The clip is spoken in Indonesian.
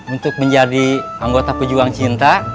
untuk menjadi anggota pejuang cinta